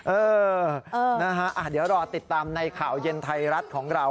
เออนะฮะเดี๋ยวรอติดตามในข่าวเย็นไทยรัฐของเรา